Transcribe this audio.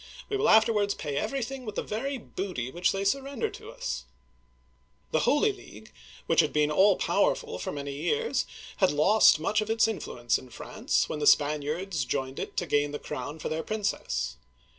We will afterwards pay everything with the very booty which they surrender to us !" The Holy League, which had been all powerful for many years, had lost much of its influence in France when the Spaniards joined it to gain the crown for their prin cess.